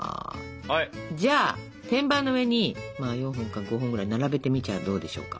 じゃあ天板の上に４本か５本ぐらい並べてみちゃあどうでしょうか。